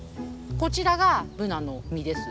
こちらがブナの実です。